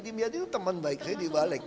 dimyati itu teman baik saya di balik